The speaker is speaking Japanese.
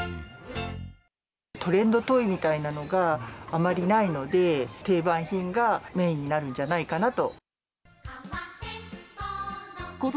トレンドトイみたいなのが、あまりないので、定番品がメインになるんじゃないかなと。